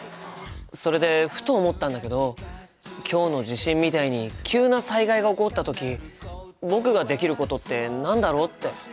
それでふと思ったんだけど今日の地震みたいに急な災害が起こった時僕ができることって何だろうって。